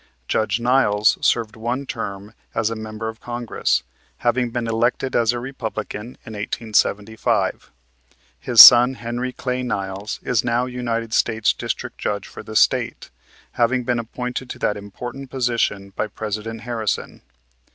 Judge Niles served one term as a member of Congress, having been elected as a Republican in 1875. His son Henry Clay Niles is now United States District Judge for the State, having been appointed to that important position by President Harrison.